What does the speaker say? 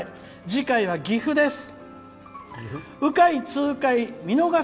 次回は岐阜です。